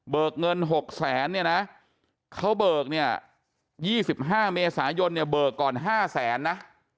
เบิกเงิน๖แสนเขาเบิก๒๕เมษายนเบิกก่อน๕แสนนะ